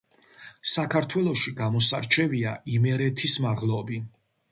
საქართველოში გამოსარჩევია იმერეთის მაღლობი.